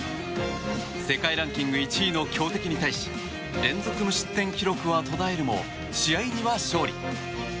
世界ランキング１位の強敵に対し連続無失点記録はとだえるも試合には勝利。